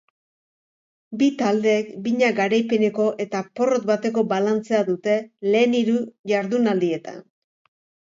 Bi taldeek bina garaipeneko eta porrot bateko balantzea dute lehen hiru jardunaldietan.